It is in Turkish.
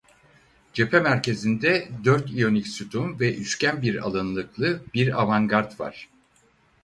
Cephe merkezinde dört İyonik sütun ve üçgen bir alınlıklı bir avangard var.